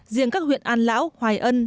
riêng các huyện an lão hoài ân